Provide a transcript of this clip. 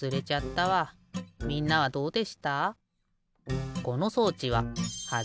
みんなはどうでした？